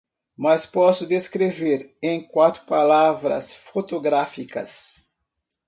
mas posso descrever, em quatro palavras fotográficas